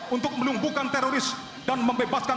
untuk menumbuhkan teroris dan membebaskan